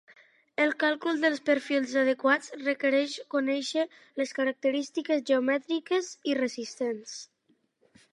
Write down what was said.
El càlcul dels perfils adequats requereix conèixer les característiques geomètriques i resistents.